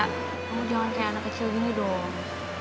kamu jangan kayak anak kecil gini dong